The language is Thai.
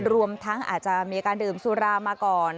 รวมทั้งอาจจะมีการดื่มสุรามาก่อน